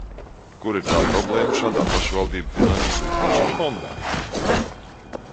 Kur ir tā problēma šādā pašvaldību finanšu izlīdzināšanas fondā?